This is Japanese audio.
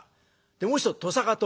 もう一つ鳥坂峠